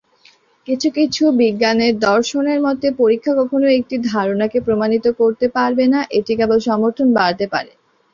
কিছু কিছু বিজ্ঞানের দর্শনের মতে, পরীক্ষা কখনো একটি ধারণাকে প্রমাণিত করতে পারবে না, এটি কেবল সমর্থন বাড়াতে পারে।